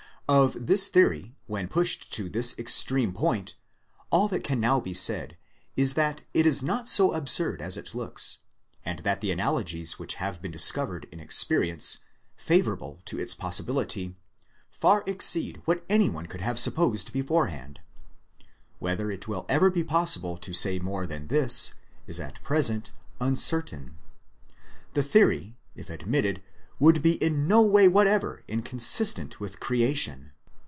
Of this theory when pushed to this extreme point, all that can now be said is that it is not so absurd as it looks, and that tte analogies which have been dis covered in experience, favourable to its possibility, far exceed what any one could have supposed before hand. Whether it will ever be possible to say more than this, is at present uncertain. The theory if admitted would be in no way whatever inconsistent with Creation.